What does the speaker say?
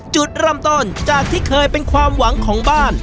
จุดเริ่มต้นจากที่เคยเป็นความหวังของบ้าน